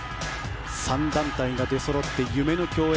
３団体が出そろって夢の競演。